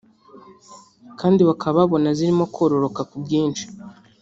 kandi bakaba babona zirimo kororoka ku bwinshi